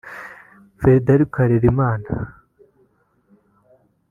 Frederick Harerimana